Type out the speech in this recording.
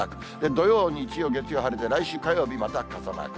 土曜、日曜、月曜、晴れて、来週火曜日、また傘マーク。